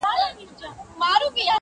مور په ژړا سي خو عمل بدلولای نه سي,